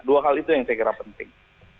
dua hal itu yang saya kira penting